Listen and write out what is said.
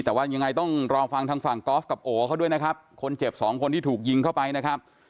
แต่ว่ายังไงต้องรอฟังทางฝั่งกอล์ฟกับโอเขาด้วยนะครับคนเจ็บสองคนที่ถูกยิงเข้าไปนะครับ